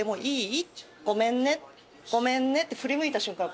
「ごめんねごめんね」って振り向いた瞬間